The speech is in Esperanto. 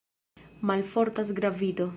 Malfortas gravito!